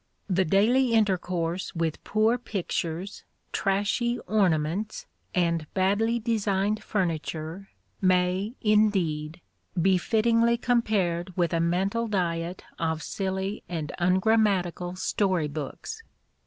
The daily intercourse with poor pictures, trashy "ornaments," and badly designed furniture may, indeed, be fittingly compared with a mental diet of silly and ungrammatical story books.